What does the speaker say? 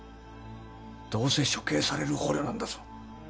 どうせ処刑される捕虜なんだぞ。